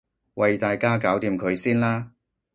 喂大家搞掂佢先啦